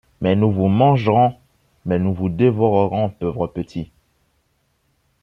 Mais nous vous mangerons! mais nous vous dévorerons, pauvres petits !